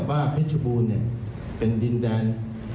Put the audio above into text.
ผู้บังคับการตำรวจบูธรจังหวัดเพชรบูนบอกว่าจากการสอบสวนนะครับ